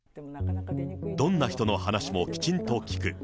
どんな人の話もきちんと聞く。